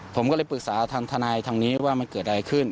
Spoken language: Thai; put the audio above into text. ผมก็เลยปรึกษาทางทนายทางนี้ว่ามันเกิดอะไรขึ้น